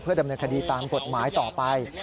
เพื่อดำเนื้อคดีตามกฎหมายต่อไป